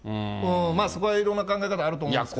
そこはいろんな考え方あると思うんですけど。